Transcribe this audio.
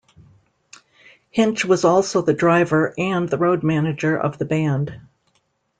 Hinch was also the driver and the road manager of the band.